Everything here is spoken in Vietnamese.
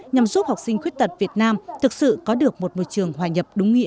nhằm giúp học sinh khuyết tật việt nam thực sự có được một môi trường hòa nhập đúng nghĩa